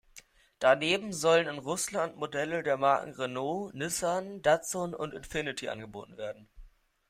Daneben sollen in Russland Modelle der Marken Renault, Nissan, Datsun und Infiniti angeboten werden.